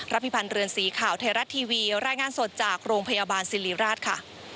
พิพันธ์เรือนสีข่าวไทยรัฐทีวีรายงานสดจากโรงพยาบาลสิริราชค่ะ